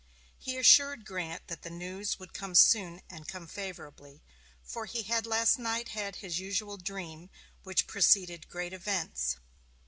He assured Grant that the news would come soon and come favorably, for he had last night had his usual dream which preceded great events.